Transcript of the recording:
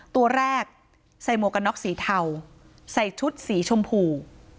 ตัวแรกใส่หมวกกันน็อกสีเทาใส่ชุดสีชมพู